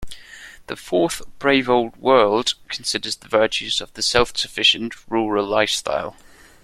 The fourth, "Brave Old World" considers the virtues of the self-sufficient, rural lifestyle.